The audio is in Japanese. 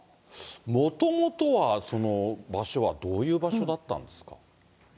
もともとは、その、場所はどういう場所だったんですか。